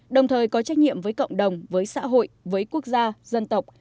đồng thời có trách nhiệm với cộng đồng với xã hội với quốc gia dân tộc